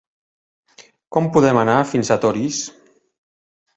Com podem anar fins a Torís?